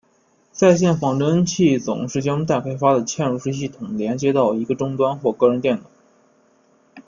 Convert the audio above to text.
在线仿真器总是将待开发的嵌入式系统连接到一个终端或个人电脑。